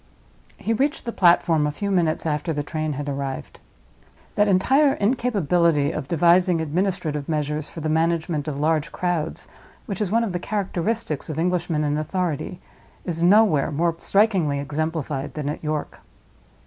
He reached the platform a few minutes after the train had arrived. That entire incapability of devising administrative measures for the management of large crowds, which is one of the characteristics of Englishmen in authority, is nowhere more strikingly exemplified than at York.